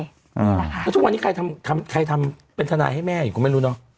แล้วทุกวันนี้ใครทำใครทำเป็นทนายให้แม่อยู่ก็ไม่รู้เนอะ